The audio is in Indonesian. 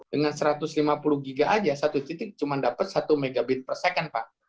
dengan satu ratus lima puluh giga aja satu titik cuma dapat satu megabit per second pak